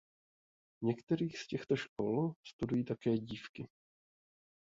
V některých z těchto škol studují také dívky.